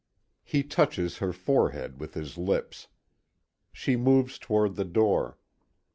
He touches her forehead with his lips. She moves toward the door.